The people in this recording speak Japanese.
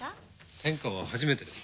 天川は初めてです。